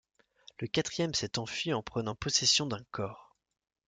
Le quatrième s'est enfui en prenant possession d'un corps.